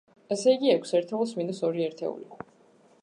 ესე იგი, ექვს ერთეულს მინუს ორი ერთეული.